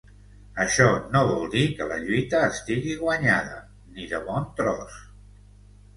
Això no vol dir que la lluita estigui guanyada, ni de bon tros!